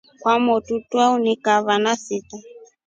Kwamotru twawonika vana sita.